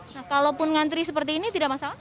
nah kalaupun ngantri seperti ini tidak masalah